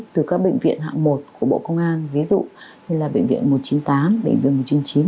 từ các bệnh viện hạng một của bộ công an ví dụ như là bệnh viện một trăm chín mươi tám bệnh viện một trăm chín mươi